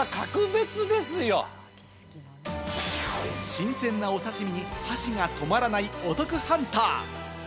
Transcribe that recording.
新鮮なお刺し身に箸が止まらないお得ハンター。